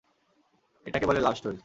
এটাকে বলে love story.